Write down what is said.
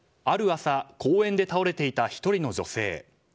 ある朝公園で倒れていた１人の女性。